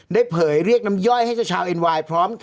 เผยเรียกน้ำย่อยให้เจ้าชาวเอ็นไวน์พร้อม